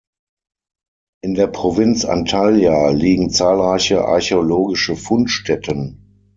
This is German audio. In der Provinz Antalya liegen zahlreiche archäologische Fundstätten.